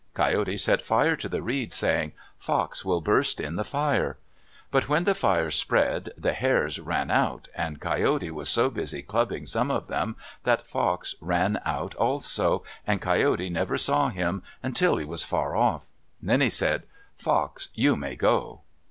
Coyote set fire to the reeds, saying, "Fox will burst in the fire." But when the fire spread, the hares ran out and Coyote was so busy clubbing some of them that Fox ran out also, and Coyote never saw him until he was far off. Then he called, "Fox, you may go."